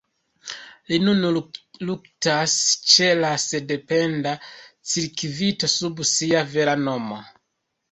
Li nun luktas ĉe la sendependa cirkvito sub sia vera nomo.